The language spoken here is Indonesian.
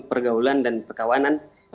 pergaulan dan perkawanan